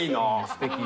すてき。